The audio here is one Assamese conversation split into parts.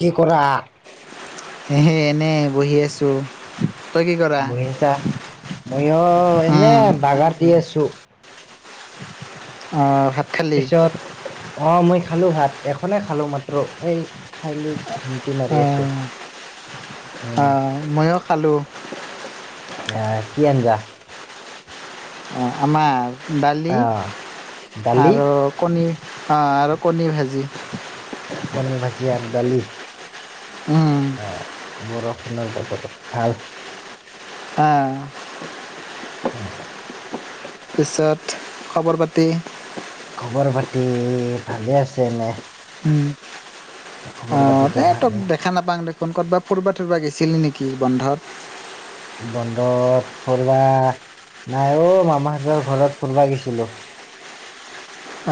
কি কৰা? এহে, এনে বহি আছোঁ। বহি আছা, মইয়ো এনে উম বাগাৰ দি আছোঁ। অ', ভাত খালি পিছত, অ', মই খালোঁ ভাত, এখনে খালোঁ মাত্ৰ, এই খাইলৈ ঘুমটি মাৰি আছোঁ, আহ উম। মইয়ো খালোঁ। আহ, কি আঞ্জা? অ', আমাৰ দালি আহ দালি আৰু কণী। আ, আৰু কণী ভাজি। কণী ভাজি আৰু দালি? উম। অ', বৰষুণৰ বতৰত ভাল। আ। [unintelligible] তাৰপিছত খবৰ পাতি? খবৰ পাতি ভালে আছেনে? উম, অ', পাতিতো এই তত ভালে দেখা নাপাওঁ দে। ফোন ক'ৰবাত ফৰবাত ফুবা গৈছিলি নেকি বন্ধত। বন্ধত ফুৰবা নাই অ মামাহঁতৰ ঘৰত ফুুৰবা গিছিলো।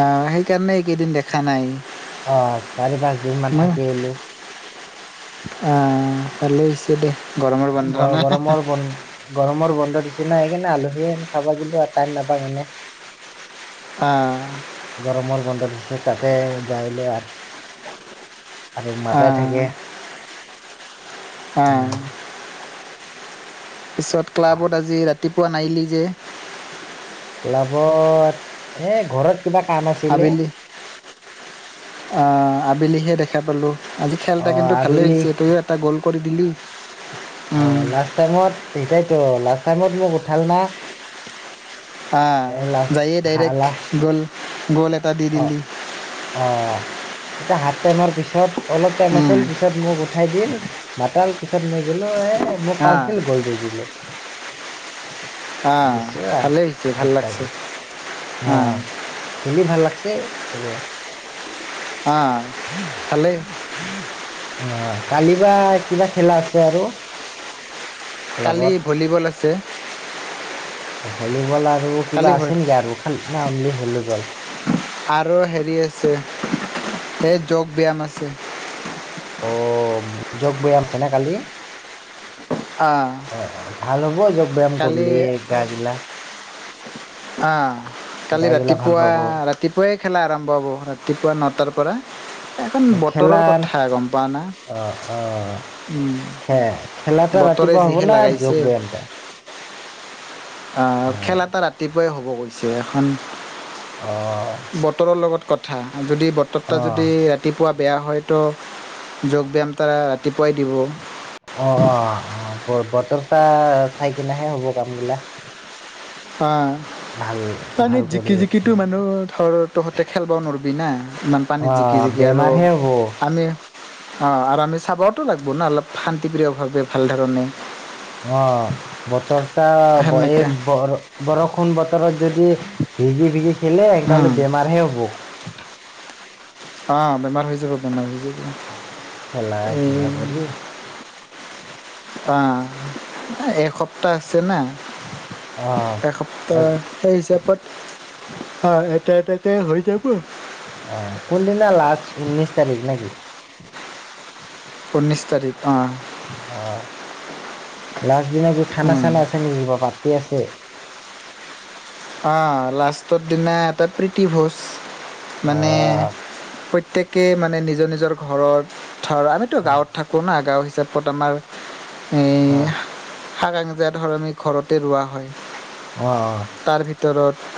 আ সেইকাৰণে এইকেইদিন দেখা নাই। অ চাৰি পাঁচ দিন মান মই থাকি আহিলো আহ ভাল হৈছে দে, গৰমৰ বন্ধ বৰ ন গৰমৰ বন গৰমৰ বন্ধ দিছে না, সেইকাৰণে আলহীয়েন খাবা গিলো আৰ টান নাপাওঁ এনে। আ গৰমৰ গন্ধ দিছে তাতে যাই লোঁ আৰ আৰু মাতাই আহ থাকে। অ উম পিছত ক্লাবত আজি ৰাতিপুৱা নাইলি যে। ক্লাবত এ ঘৰত, কিবা কাম আছ। আবেলি, আ আবেলিহে দেখা পালোঁ। আজি খেল অ এটা কিন্তু ভালেই আবেলি হৈছে তইও এটা গ'ল কৰি দিলি। অ উম লাষ্ট টাইমত তেটাইতো লাষ্ট টাইমত মোক উঠাল না। আ এ লাষ্ট যায়ে ভালা ডাইৰেক্ট গ'ল গ'ল এটা দি অ দিলি। অ এইটা হাফ টাইমৰ পিছত অলপ টাইম উম আছিল পিছত মোক উঠাই দিল মাতাল পিছত মই গিলো এ মোক পাছ আহ দিল গোল দি দিলো আহ দিছো আৰ ভালেই হৈছে ভাল এটা লাগছে গোল অ আহ খেলি ভাল লাগছে হ'ব অ [unintelligible] ভালেই অ কালি বা কিবা খেলা আছে আৰু কালি ক্লাবত। ভলীবল আছে অ হলীবল আৰু কিবা কালি আছে ভ- নেকি আৰু খালি না অনলী হেলীবল আৰু হেৰি আছে এই যগ ব্যায়াম আছে অ যগ ব্যায়াম আছেনে কালি আহ অ অ ভাল হ'ব যগ ব্যায়াম কালি কৰিলেএ গা গিলা আ গা কালি গিলা ভাল ৰাতিপুৱা পাব। অ', ৰাতিপুৱাই খেলা আৰম্ভ হ'ব ৰাতিপুৱা নটাৰ পৰা এখন খেলা বতৰৰ কথা গম পোৱা না অ', অ', উম খে খেলাটা বতৰে ৰাতিপুৱা হ'ব যিহে না যোগ লাগাইছে ব্যায়ামটা? অ খেল এটা ৰাতিপুৱাই হ'ব কৈছে এখন অ বতৰৰ লগত কথা যদি বতৰটা অ', যদি ৰাত তিপুৱা বেয়া হয়তো যোগ ব্যায়াম তাৰা ৰাতিপুৱাই দিব অ অ অ ব বতৰটা চাই কিনাই হে হ'ব কামগিলা অঁ ভাল ভাল পানীত কৰি জিকি জিকিটো মানুহ ধৰ তহঁতে খেলব নোৱৰবি না ইমান পানীত জিকি অ' জিকি আৰু বেমাৰহে হ'ব আমি অ আৰু আমি চাবওতো লাগব না অলপ শান্তি প্ৰিয় ভাৱে ভাল ধৰণে অ বতৰটা বহে সেনেকে বহৰ বৰষুণ বতৰত যদি ভিগি ভিগি খেলে সেইগাল উম বেমাৰ হে হ'ব অ বেমাৰ হৈ যাব বেমাৰ হৈ যাব খেলা কি এই ভাবৰি। আ' এসপ্তাহ আছে না। অ' এসপ্তাহ এক সেই হিচাপত। অ' এটা এটাতে হৈ যাব। অ' কোনদিনা লাষ্ট, ঊনৈছ তাৰিখ নেকি? ঊনৈছ তাৰিখ অঁ। অ', লাষ্ট দিনা কি খানা উম চানা আছে নেকি, কিবা পাৰ্টি আছে? অঁ লাষ্টৰ দিনা এটা প্ৰীতিভোজ, মানে অ' প্ৰত্যেকেই মানে নিজৰ নিজৰ ঘৰত, ধৰ আমিতো অ' গাঁৱত থাকো। কো না গাঁওত হিচাপত আমাৰ, এ অ' শাক, আঞ্জা ধৰ আমি ঘৰতে ৰোৱা হয়। অঁ, অঁ। তাৰ ভিতৰত,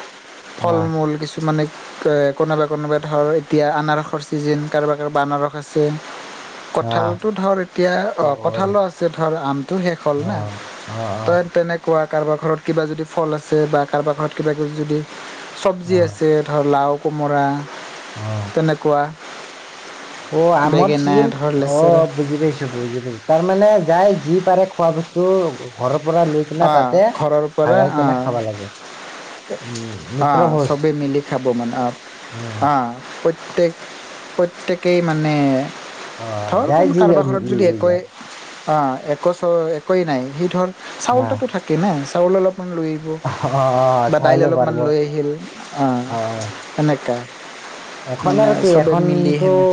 ফল মূল কিছুমানে ক কোনোবাই কোনোবাই ধৰ এতিয়া আনাৰসৰ ছিজন, কাৰোবাৰ কাৰোবাৰ আনাৰস আছে। অ' অ' কঁঠালটো ধৰ এতিয়া, অ' কঁঠালো আছে ধৰ, আমটো শেষ হ'ল না। অঁ, অঁ। কোৱা কাৰোবাৰ ঘৰত কিবা যদি ফল আছে, বা কাৰোবাৰ ঘৰত কিবা কিবি যদি অ' চবজি আছে ধৰ, লাওঁ, কোমোৰা। অঁ। তেনেকুৱা। অ' আমৰ বেঙেনা চিজন, ধৰ লেচেৰা অ' বুজি পাইছোঁ। তাৰ মানে যাই, যি পাৰে খোৱা বস্তু ঘৰৰ পৰা লৈ কিনা আ তাতে ঘৰৰ পৰা ভাগাই আ। কেনে খাব লাগে উম মিত্ৰ অঁ ভোজ চবেই মিলি খাব মানে, অঁ, উম অঁ। প্ৰত্যেক প্ৰত্যেকেই মানে। অ ধৰ যাই কোন যি কাৰোবাৰ ঘৰত যদি লৈ একোৱেই যায় অঁ এক চ একোৱেই নাই। সি ধৰ, চাউল হা তাতো থাকে না। চাউল অলপমান লৈ অ বা দাইল চাউলো অলপমান পাৰিব লৈ আহিল, অঁ অ সেনেকা। এখন আৰু কি, এখনতো। সেনে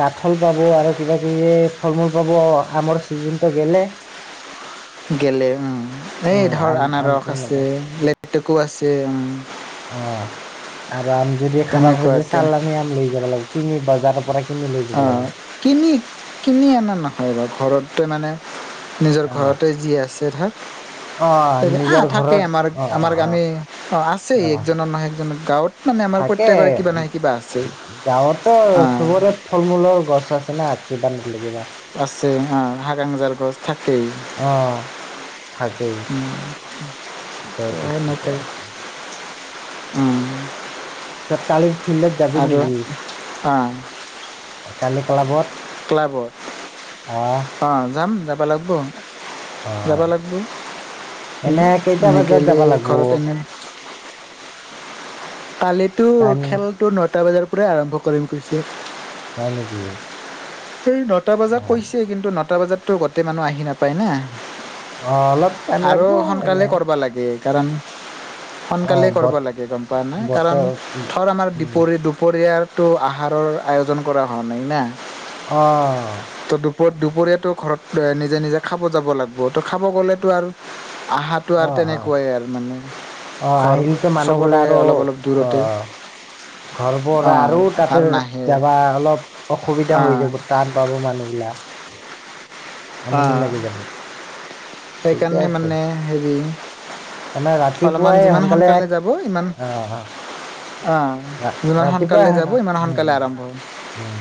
কাঠল পাব আৰু কিবা কিবি ফল মূল পাব। আমৰ চিজনটো গেলে। [unintelligible] গেলে উম'। এ উম ধৰ আম আনাৰস আমটো আছে, নাপায় লেটেকো আছে উম'। অঁ, আৰু আম যদি খাব খুজি, তেনেকুৱাকে চালানি আম লৈ যাব লাগিব, কিনি বাজাৰৰ পৰা। কিনি লৈ যাব লাগিব অঁ কিনি, কিনি অনা নেখাওঁ ৰ, ঘৰতে মানে নিজৰ ঘৰতে যি আছে, ধৰ। [unintelligible] অঁ তাকে আহ নিজৰ থাকে ঘৰত, আমাৰ অঁ, আমাৰ আমি অ আছেই অঁ, অঁ, অঁ। একজনৰ নহয় একজনৰ গাঁৱত মানে আমাৰ থাকে, প্ৰত্যেকৰে কিবা নহয় কিবা আছে গাঁৱত অ ত' চবৰে। ফল -মূলৰ গছ আছে না, [unintelligible] আছে অঁ, হাকাংজাৰ গছ থাকেই। অঁ থাকে। দে টো ঠিকে এনেকৈ আছে। উম। চব কালি ফিল্ডত যাবি নেকি? অঁ। কালি ক্লাবত। ক্লাবত। আহ! অঁ! যাম, যাব লাগিব। [unintelligible] যাব অ', লাগিব, ই এনে কেইটা বজাত নগলে যাব লাগিব ঘৰত এনেই কালিতো টাইম খেলটো নটা বজাৰ পৰাই আৰম্ভ কৰিম কৈছে। হয় নেকি? সেই নটা বজাত অ', কৈছে কিন্তু নটা বজাতটো গোটেই মানুহ আহি নাপায় না। অ', অলপ টাইম আৰু লাগিব সোনকালে এনে কৰিব লাগে। কাৰণ অ', সোনকালেই কৰিব বত লাগে গম পোৱা না, কাৰণ বতৰ ধৰ আমাৰ উম, বিপৰি দু দুপৰীয়াৰটো আহাৰৰ আয়োজন কৰা হোৱা নাই না। অঁ! ত' দুপৰ দুপৰীয়াটো ঘৰত নিজে-নিজে খাব যাব লাগিব, ত' খাব গ'লেতো আৰু আহাৰ তো আৰু অ', অ', তেনেকুৱাই আৰু মানে অ ঘৰ আহিলতো মানুহ গলে চবৰে আৰু অলপ-অলপ অ দূৰতে। ঘৰ পৰা অঁ আৰু তাতে আৰু নাহে কেতিয়াবা অলপ অসুবিধা হৈ অঁ যাব। টান পাব মানুহবিলাক। আমনি অঁ লাগি যাব, ঠিকে আছে। এ হেৰি তাৰমানে অলপমান ৰাতিপুৱাই যিমান সোনকালে এক যাব ইমান অঁ-অঁ। অঁ! যিমান ৰাতিপুৱাই সোনকালে আহ যাব ইমান সোনকালে উম-উম, আৰম্ভ উম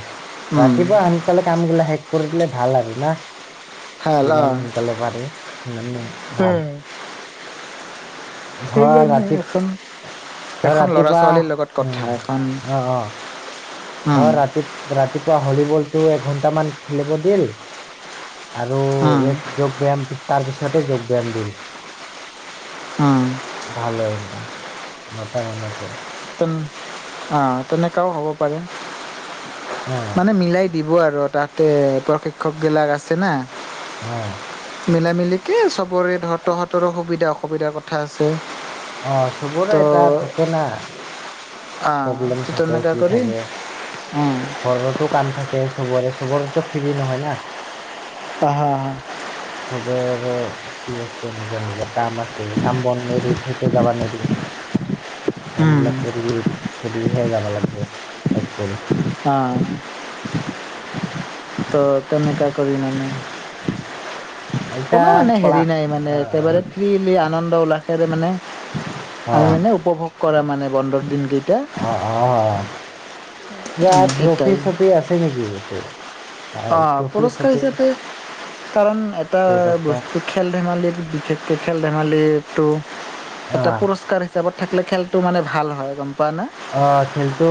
উম, ৰাতিপুৱাই আন সোনকালে কাম গিলা শেষ কৰি দিলে ভাল আৰু না। ভাল যিমান সোনকালে পাৰি সিমানে ভাল। অঁ ধৰা সেইকাৰণে ৰাতি এখন ধৰ এখন ল'ৰা ৰাতিপুৱা ছোৱালীৰ লগত কথা উম! এখন অঁ-অঁ। ধৰ উম, ৰাতি ৰাতিপুৱা ভলীবলটো এঘন্টামান খেলিব দিল। আৰু উম, ৰেড যোগ ব্যায়াম তাৰ পিছতে যোগ ব্যায়াম দিম। উম! ভাল হয় কাহ নটা মানৰ পৰা। [inaudible] অঁ তেনেকাও হ'ব পাৰে, অ মানে মিলাই দিব আৰু তাতে প্ৰশিক্ষকবিলাক আছে না। অঁ! মিলামিলিকে চবৰে ধৰ তহঁতৰো সুবিধা অসুবিধাৰ কথা আছে। অঁ! চবৰে তো এটা থাকে না অ', প্ৰব্লেম তো থাকে, তেনেকা কি কৰি থাকে। উম, ঘৰতো কাম থাকে চবৰে, চবৰেতো ফ্ৰী নহয় না। অ হা হা [unintelligible] চবেৰে কি আছে নিজৰ-নিজৰ কাম আছে, কাম বন এৰি থৈতো যাবা নোৱাৰি। উম, কামবিলাক কৰি চৰিহে যাব লাগিব শেষ কৰি। অঁ! [unintelligible] [inaudible] ত তেনেকা কৰি মানে। এতিয়া কোনো মানে ক্লা হেৰি নাই মানে অ একেবাৰে। ফ্ৰিলি আনন্দ উল্লাসেৰে মানে অ অ আমি মানে উপভোগ কৰে মানে বন্ধৰ দিনকেইটা। অ-অ-অ! ইয়াত সেইটাই ট্ৰফি-চফি আছে নেকি ইয়াতে? অ পুৰস্কাৰ হিচাপে কাৰণ এটা পুৰস্কাৰ বস্তু খেল ধেমালি বিশেষকে খেল ধেমালিটো এটা আহ পুৰস্কাৰ হিচাপত থাকিলে খেলতো মানে ভাল হয় গম পোৱা না? অ খেলতো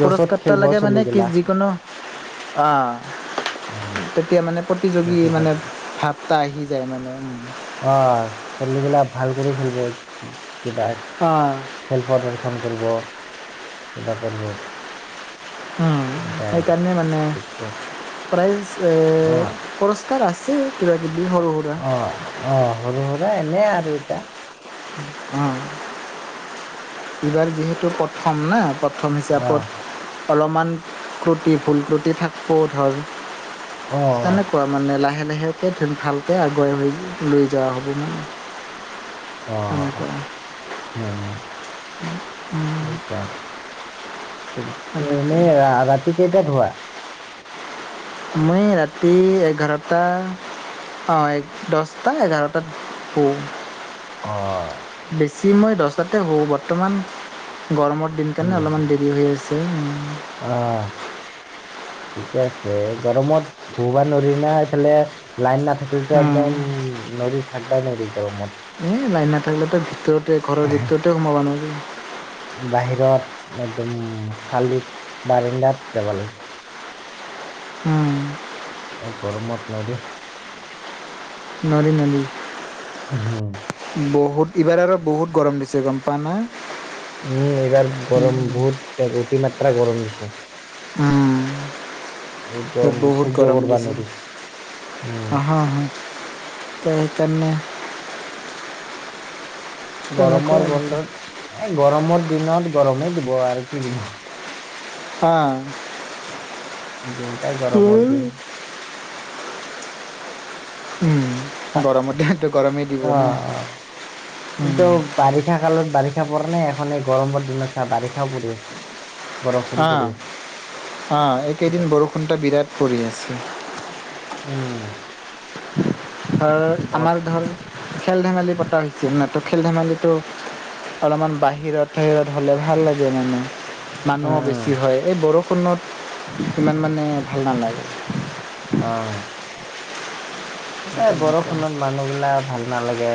যচত খেলিব চলি গিলা। অ। তেতিয়া মানে প্ৰতিযোগী ট্ৰফি মানে থাকিল ভাৱটা আহি যায় মানে উম। অ ছোৱালীগিলা ভাল কৰি খেলিব কিবা। অ। খেল প্ৰদৰ্শন কৰিব, কিবা কৰব। অ সেইকাৰণে মানে ঠিকে আছে প্ৰাইজ এ অ পুৰ স্কাৰ আছে কিবা কিবি সৰু সুৰা। অ অ সৰু সুৰা এনে আৰু এতিয়া। অ। এইবাৰ যিহেতু প্ৰথম ন প্ৰথম আহ হিচাপত অলপমান ক্ৰুটি ভুল ক্ৰুটি থাকিব ধৰ অ অ। পৰা মানে লাহে লাহে [unintelligible] ভালকৈ আগুৱাই হৈ লৈ যোৱা হ'ব মানে। অ তেনেকুৱা উম সেইটাই। তুমি তেনেকে ৰা-ৰাতি কেইটাত শুৱা? মই ৰাতি এঘাৰটা অ এক দহটা এঘাৰটাত শুও। অ বেছি মই দহটাতে শুও বৰ্তমান গৰমত দিন কাৰণে উম অলপমান দেৰি হৈ আছে। অ ঠিকে আছে, গৰমত শুব নোৱাৰি না এইফালে লাইন নাথাক কিলেতো উম। একদম নোৱাৰি থাকবাই নোৱাৰি গৰমত। এই লাইন নাথাকিলেতো ভিতৰতে ঘৰৰ ভিতৰতে সোমাব নোৱাৰি। বাহিৰত একদম চালিত বাৰেণ্ডাত যাব লাগে। উম। এই গৰমত নৰি। নৰি নৰি। হম। বহুত এইবাৰ আৰু বহুত গৰম দিছে গম পা না? উম এইবাৰ গৰম বহুত অটি মাত্ৰা গৰম দিছে। উম। এ একদম বহুত সহ্য গৰম কৰবা দিছে নৰি অহ উম অহ। ত সেইকাৰণে তেনেকুৱা গৰমৰ আৰু। বন্ধত এ গৰমৰ দিনত গৰমেই দিব আৰু কি দিব। অহ। দিনটাই গৰমৰ দিন। উম গৰমত দিনতো গৰমেই দিব অ ন অ কিন্তু উম। বাৰিষা কালত বাৰিষা পৰণে, এখনে এই গৰমৰ দিনত চা বাৰিষাও পৰি। বৰষুণ অ পৰি আছে অ এইকেইদিন বৰষুণটো বিৰাট পৰি আছে। উম। ধৰ বহুত আমাৰ ধৰ খেল ধেমালি পতা হৈ হৈছিল। নাতো খেল ধেমালিটো অলপমান বাহিৰত-চাহিৰত হ'লে ভাল লাগে মানে। উম মানুহ উম বেছি হয়। এই বৰষুণত ইমান মানে ভাল নালাগে। অহ। এই তেনেকুৱা বৰষুণত মানুহ বিলাক ভাল নালাগে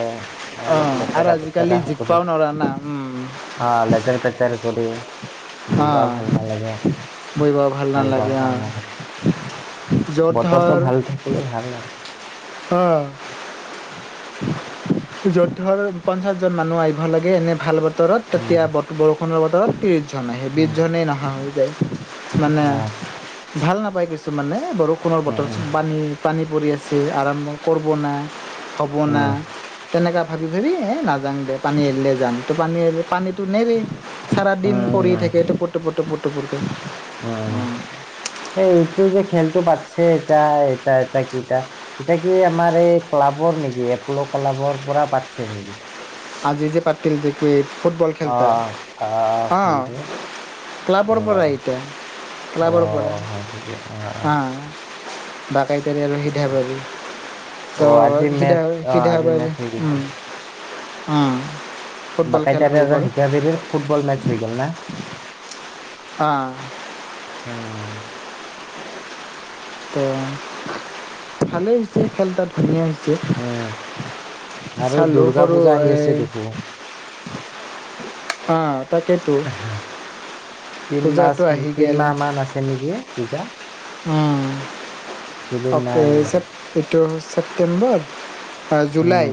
অলপ অ', আৰু লেতেৰা আজিকালি পেতেৰা কৰি জিকপাও নৰা না উম। অ লেতেৰ পেতেৰ কৰি। বুলবা অ', ভাল নালাগে বহিব ভাল খেলবা নালাগে ভাল অ', নহয়।। [unintelligible] বতৰটো ধৰ ভাল থাকিলি ভাল আহ। অ। য'ত ধৰ পঞ্চাশ জন মানুহ আহিব লাগে এনে ভাল বতৰত, উম তেতিয়া ব বৰষুণ বৰষুণৰ বতৰত ত্ৰিছজন আহে। উম বিছজনে নাহা হৈ যায় মানে। অ ভাল নাপাই কিছুমানে বৰষুণৰ উম বতৰ, উম পানী পানী পৰি আছে যে, আৰম্ভ কৰব না? হ'ব না? উম তেনেকা। ভাবি ভাবি এই নাযাং দে পানী এৰলে যাম। তো পানী পানীটো নেৰে। সাৰা দিন উম পৰি উম থাকে উম টুপু-টুপু টুপু-টুপুৰকে। উম, সেই এইটো যে খেলটো পাতছে এটা এটা এটা কেইটা। এতিয়া কি আমাৰ এই ক্লাবৰ নেকি, এপলো ক্লাবৰ পৰা পাতছে নেকি? আজি যে পাতিল যে কেইট ফুটবল খেলটা? অ', অ', অহ খেলটো ক্লাবৰ পৰা অ', এইতা ক্লাবৰ পৰা। তাকে অ অ। বা [unintelligible] কাৰী আৰু সিধা ঠিকে আছে। পাৰি ত অ', আজি সিধা মেচ অ', সিধা আজি মেচ হৈ [unintelligible] গৈছে। উম। অহ। বাকাইতাৰে আৰু হীতাবেৰীৰ ফুটবল মেচ হৈ গেল না? অ। হুম। অ ভালেই হৈছে খেল তাত। ধুনীয়া হৈছে। উম। আৰু চালোঁ দুৰ্গা সৰু পূজা আহি এই আছে দেখো। অ। তিন মাচ পূজাটো আহি তিন গ'ল মাহ মান আছে নেকি পূজা? উম। বেছি দিন নাই আৰু। [unintelligible] এইটো ছেপ্টেম্বৰ, অ জুলাই, উম,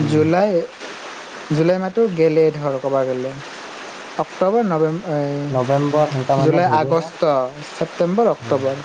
উম। জুলাই জুলাই মাহটো গেলেই ধৰ ক'বা গ'লে অক্টোবৰ নৱেম্বৰ অ নৱেম্বৰ সেনকা মানত জুলাই, হ'ব না? আগষ্ট, ছেপ্টেম্বৰ, উম। অক্টোবৰ